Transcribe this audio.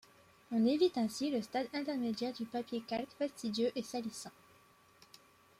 On évite ainsi le stade intermédiaire du papier calque, fastidieux et salissant.